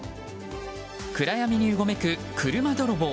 暗闇にうごめく車泥棒。